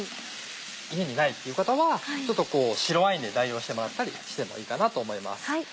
家にないっていう方は白ワインで代用してもらったりしてもいいかなと思います。